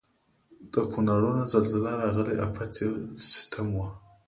د کونړونو زلزله راغلي افت یو ستم و.